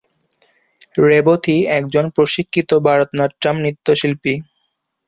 রেবতী একজন প্রশিক্ষিত ভারতনাট্যম নৃত্যশিল্পী।